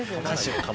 はい。